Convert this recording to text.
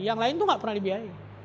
yang lain itu nggak pernah dibiayai